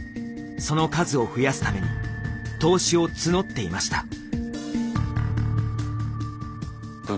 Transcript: その数を増やすために投資を募っていました。